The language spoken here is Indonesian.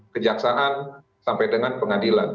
kejaksaan sampai dengan pengadilan